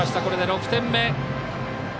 これで６点目。